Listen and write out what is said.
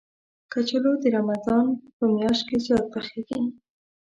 کچالو د رمضان په میاشت کې زیات پخېږي